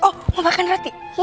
oh mau makan roti